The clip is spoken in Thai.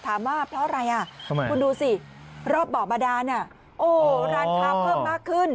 ว่าเพราะอะไรอ่ะทำไมคุณดูสิรอบบ่อบาดานร้านค้าเพิ่มมากขึ้น